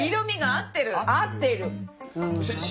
合ってる！